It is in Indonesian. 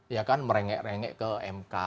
ya kan merengek rengek ke mk